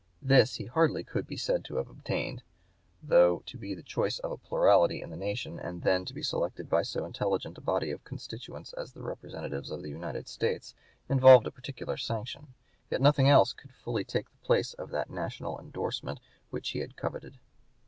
This he hardly could be said to have obtained; though to be the choice of a plurality in the nation and then to be selected by so intelligent a body of constituents as the Representatives of the United States involved a peculiar sanction, yet nothing else could fully take the place of that national indorsement which he had coveted.